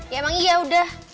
ya emang iya udah